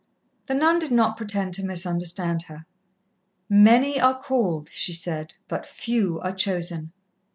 The nun did not pretend to misunderstand her. "Many are called," she said, "but few are chosen.